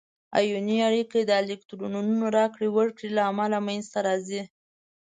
آیوني اړیکه د الکترونونو راکړې ورکړې له امله منځ ته راځي.